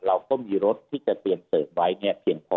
เราก็มีรถที่จะเตรียมเสริมไว้เนี่ยเพียงพอ